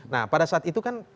nah pada saat itu kan